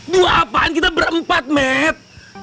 dua apaan kita berempat met